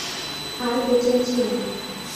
আর বেঁচে আছি আমি।